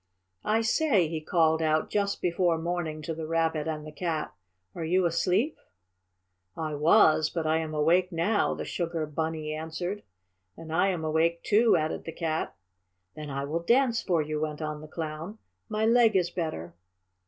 "I say!" he called out just before morning to the Rabbit and the Cat. "Are you asleep?" "I was, but I am awake now," the sugar Bunny answered. "And I am awake too," added the Cat. "Then I will dance for you," went on the Clown. "My leg is better."